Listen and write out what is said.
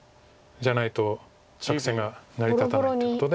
じゃないと作戦が成り立たないということで。